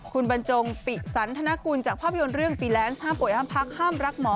คุณบรรจงปิสันธนกุลจากภาพยนตร์เรื่องฟรีแลนซ์ห้ามป่วยห้ามพักห้ามรักหมอ